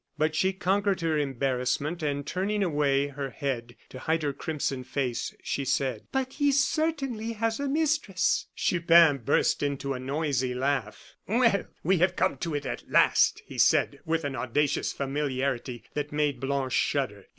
But she conquered her embarrassment, and turning away her head to hide her crimson face, she said: "But he certainly has a mistress!" Chupin burst into a noisy laugh. "Well, we have come to it at last," he said, with an audacious familiarity that made Blanche shudder.